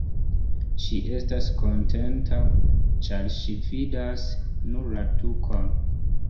Ŝi estas kontenta, ĉar ŝi vidas nur la tukon.